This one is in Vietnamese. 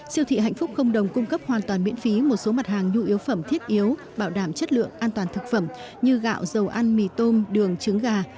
siêu thị hạnh phúc không đồng cung cấp hoàn toàn miễn phí một số mặt hàng nhu yếu phẩm thiết yếu bảo đảm chất lượng an toàn thực phẩm như gạo dầu ăn mì tôm đường trứng gà